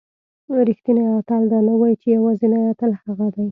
رښتینی اتل دا نه وایي چې یوازینی اتل هغه دی.